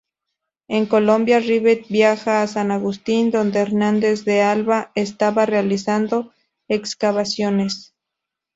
En Colombia Rivet viaja a San Agustín, donde Hernández de Alba estaba realizando excavaciones.